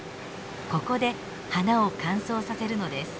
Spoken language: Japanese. ここで花を乾燥させるのです。